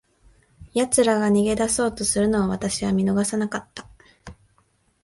奴らが逃げ出そうとするのを、私は見逃さなかった。